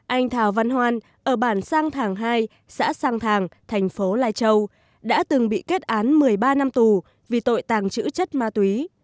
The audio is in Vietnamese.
anh thào văn hoan ở bản sang thàng hai xã sang thàng thành phố lai châu đã từng bị kết án một mươi ba năm tù vì tội tàng trữ chất ma túy